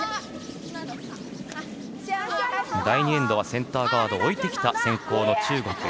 第２エンドはセンターガードを置いてきた先攻の中国。